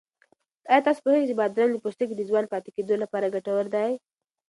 آیا تاسو پوهېږئ چې بادرنګ د پوستکي د ځوان پاتې کېدو لپاره ګټور دی؟